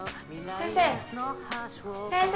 先生！